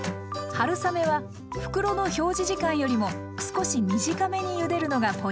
春雨は袋の表示時間よりも少し短めにゆでるのがポイント。